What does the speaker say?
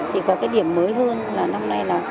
thì có cái điểm mới hơn là năm nay là